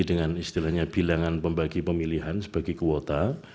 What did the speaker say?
dengan istilahnya bilangan pembagi pemilihan sebagai kuota